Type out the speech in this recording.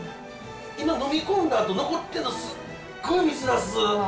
今飲み込んだあと残ってるのすっごい水なす。